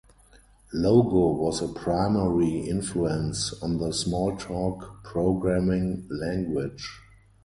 Logo was a primary influence on the Smalltalk programming language.